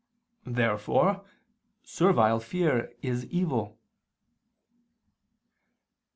Therefore servile fear is evil.